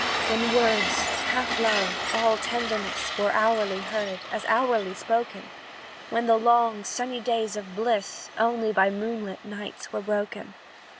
"When words, half love, all tenderness, Were hourly heard, as hourly spoken, When the long, sunny days of bliss Only by moonlight nights were broken.